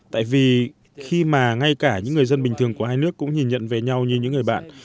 tại vì khi mà ngay cả những người dân bình thường của hai nước cũng nhìn nhận về nhau như những người bạn